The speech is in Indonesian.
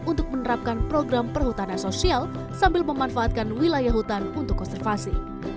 untuk menerapkan program perhutanan sosial sambil memanfaatkan wilayah hutan untuk konservasi